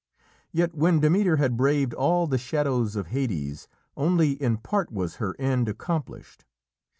Yet when Demeter had braved all the shadows of Hades, only in part was her end accomplished.